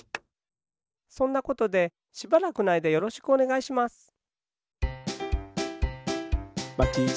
そんなことでしばらくのあいだよろしくおねがいします。